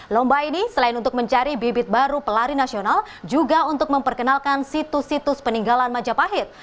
lomba ini selain untuk mencari bibit baru pelari nasional juga untuk memperkenalkan situs situs peninggalan majapahit